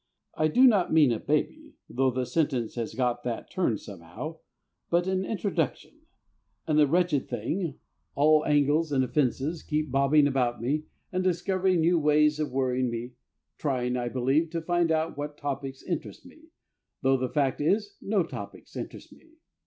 I do not mean a baby, though the sentence has got that turn somehow, but an introduction; and the wretched thing, all angles and offence, keeps bobbing about me and discovering new ways of worrying me, trying, I believe, to find out what topics interest me, though the fact is no topics interest me.